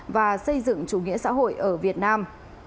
và xây dựng chủ nghĩa xã hội ở việt nam